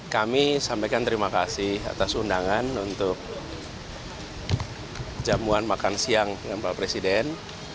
kami sampaikan terima kasih atas undangan untuk jamuan makan siang dengan pak presiden